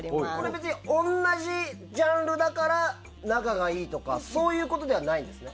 別に、同じジャンルだから仲がいいとかそういうことではないんですか？